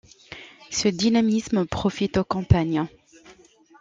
Ce dynamisme profite aux campagnes.